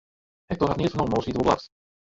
Hektor hat neat fernommen, oars hie er wol blaft.